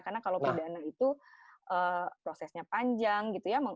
karena kalau pidana itu prosesnya panjang gitu ya